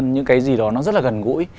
những cái gì đó nó rất là gần gũi